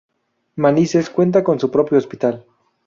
Manises cuenta con su propio hospital.